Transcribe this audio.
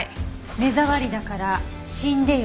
目障りだから死んでよ。